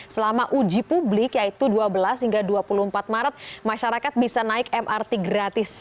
selama uji publik yaitu dua belas hingga dua puluh empat maret masyarakat bisa naik mrt gratis